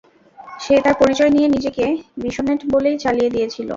সে তার পরিচয় নিয়ে নিজেকে বিসোনেট বলেই চালিয়ে দিয়েছিলো।